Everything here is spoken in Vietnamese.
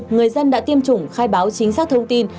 người dân đã tiêm chủng khai báo chính xác thông tin